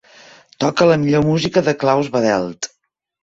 Toca la millor música de Klaus Badelt.